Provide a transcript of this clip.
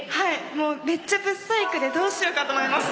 もうめっちゃブッサイクでどうしようかと思いました。